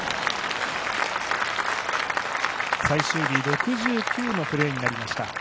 最終日６９のプレーになりました。